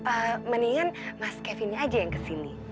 eh mendingan mas kevin nya aja yang kesini